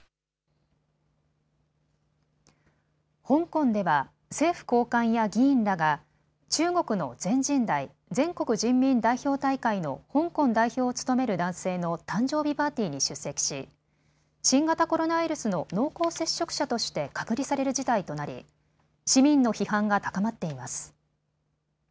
香港では政府高官や議員らが中国の全人代・全国人民代表大会の香港代表を務める男性の誕生日パーティーに出席し新型コロナウイルスの濃厚接触者として隔離される事態となり市民の批判が高まっています。